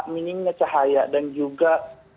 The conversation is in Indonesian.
minimnya cahaya dan juga